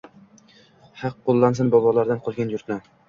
Haq qoʻllasin, bobolardan qolgan yurtni...